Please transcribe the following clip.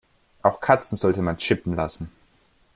Auch Katzen sollte man chippen lassen.